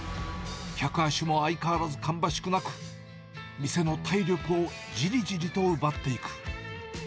客足も相変わらずかんばしくなく、店の体力をじりじりと奪っていく。